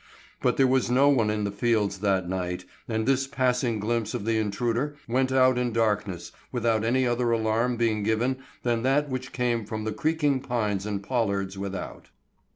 But there was no one in the fields that night, and this passing glimpse of the intruder went out in darkness without any other alarm being given than that which came from the creaking pines and pollards without.